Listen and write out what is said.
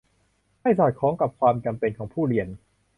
ให้สอดคล้องกับความจำเป็นของผู้เรียน